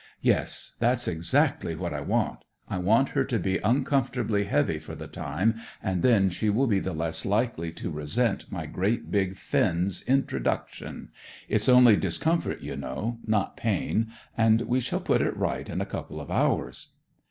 "Yes; that's exactly what I want. I want her to be uncomfortably heavy for the time, and then she will be the less likely to resent my great big Finn's introduction. It's only discomfort, you know, not pain; and we shall put it right in a couple of hours."